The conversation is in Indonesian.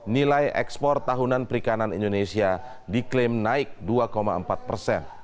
nilai ekspor tahunan perikanan indonesia diklaim naik dua empat persen